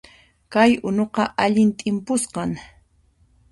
Kay unuqa allin t'impusqan